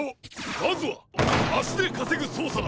まずはあしでかせぐそうさだ！